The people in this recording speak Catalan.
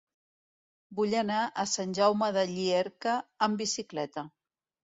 Vull anar a Sant Jaume de Llierca amb bicicleta.